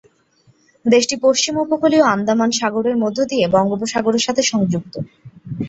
দেশটি পশ্চিম উপকূলীয় আন্দামান সাগরের মধ্য দিয়ে বঙ্গোপসাগরের সাথে সংযুক্ত।